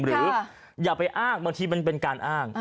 หรืออย่าไปอ้างบางทีมันเป็นการอ้าง